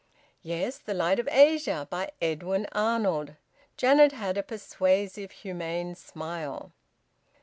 "Yes. `The Light of Asia,' by Edwin Arnold." Janet had a persuasive humane smile.